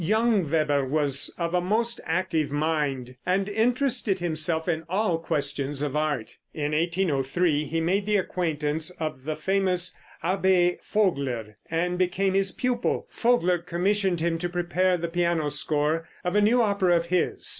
Young Weber was of a most active mind, and interested himself in all questions of art. In 1803 he made the acquaintance of the famous Abbé Vogler, and became his pupil. Vogler commissioned him to prepare the piano score of a new opera of his.